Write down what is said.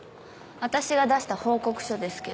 私が出した報告書ですけど。